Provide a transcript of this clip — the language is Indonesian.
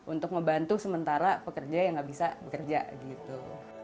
untuk membantu sementara pekerja yang nggak bisa bekerja gitu